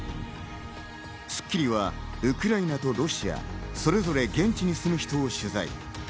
『スッキリ』はウクライナとロシア、それぞれ現地に住む人を取材。